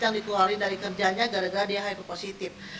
yang dikeluarin dari kerjanya gara gara dia itu positif